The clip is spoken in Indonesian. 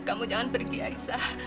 kamu jangan pergi aisah